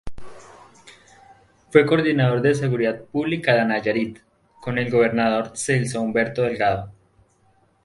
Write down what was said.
Fue Coordinador de Seguridad Pública de Nayarit con el gobernador Celso Humberto Delgado.